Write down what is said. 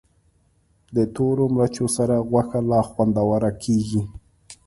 د تورو مرچو سره غوښه لا خوندوره کېږي.